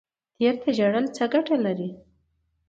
تیر ته ژړل څه ګټه لري؟